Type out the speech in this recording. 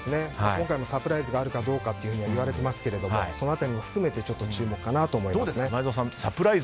今回もサプライズがあるかどうかといわれていますがその辺りも含めて注目かなと思いますね。